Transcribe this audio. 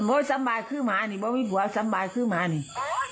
สบายคือหมานี่บ่บัวสบายคือหมานี่